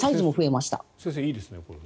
先生、いいですね。